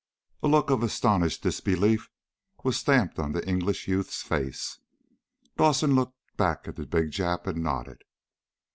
A look of astonished disbelief was stamped on the English youth's face. Dawson looked back at the big Jap, and nodded.